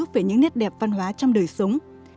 về những nét đẹp văn hóa trong đời sống